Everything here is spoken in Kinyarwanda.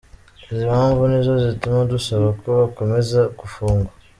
Izi mpamvu ni zo zituma dusaba ko bakomeza gufungwa”.